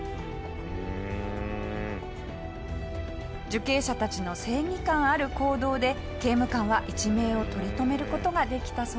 受刑者たちの正義感ある行動で刑務官は一命を取り留める事ができたそうです。